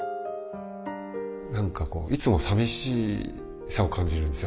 何かこういつも寂しさを感じるんですよ